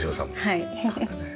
はい。